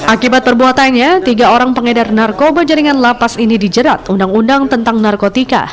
akibat perbuatannya tiga orang pengedar narkoba jaringan lapas ini dijerat undang undang tentang narkotika